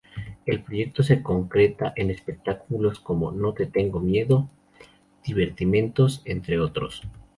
El proyecto se concreta en espectáculos como "No te tengo miedo", "Divertimentos", entre otros.